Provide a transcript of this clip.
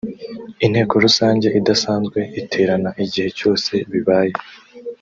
inteko rusange idasanzwe iterana igihe cyose bibaye